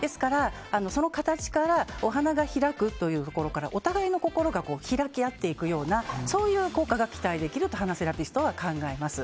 その形からお花が開くというところからお互いの心が開き合っていくようなそういう効果が期待できると花セラピストは考えます。